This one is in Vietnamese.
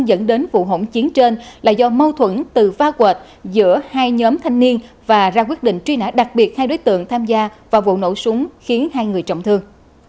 dẫn đến vụ hỗn chiến trên là do mâu thuẫn từ va quệt giữa hai nhóm thanh niên và ra quyết định truy nã đặc biệt hai đối tượng tham gia vào vụ nổ súng khiến hai người trọng thương